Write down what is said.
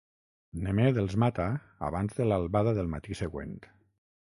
Nemed els mata abans de l'albada del matí següent.